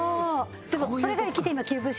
でもそれが生きて。